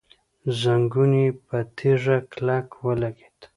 زنګون يې په تيږه کلک ولګېد.